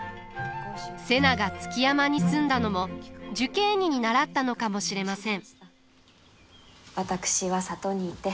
瀬名が築山に住んだのも寿桂尼に倣ったのかもしれません。